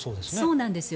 そうなんです。